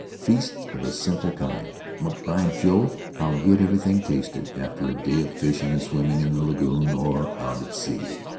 Feasts of a simple kind, but, by Jove! how good everything tasted after a day of fishing and swimming in the lagoon or out at sea.